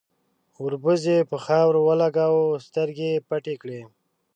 ، وربوز يې پر خاورو ولګاوه، سترګې يې پټې کړې.